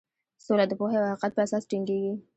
سوله د پوهې او حقیقت په اساس ټینګیږي.